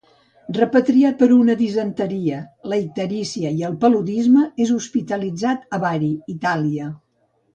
Repatriat per una disenteria, la icterícia i el paludisme, és hospitalitzat a Bari, Itàlia.